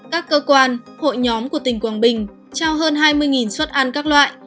các cơ quan hội nhóm của tỉnh quảng bình trao hơn hai mươi suất ăn các loại